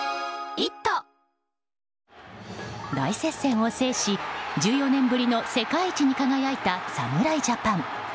大接戦を制し１４年ぶりの世界一に輝いた侍ジャパン。